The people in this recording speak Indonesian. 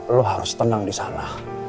lo harus tenang disana